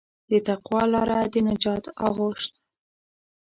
د تقوی لاره د نجات آغوش ده.